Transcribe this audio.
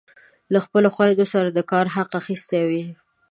له خپلو خویندو یې د کار حق اخیستی وي.